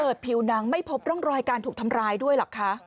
ผิวหนังไม่พบร่องรอยการถูกทำร้ายด้วยเหรอคะ